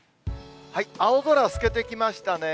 青空透けてきましたね。